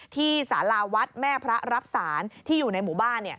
สาราวัดแม่พระรับศาลที่อยู่ในหมู่บ้าน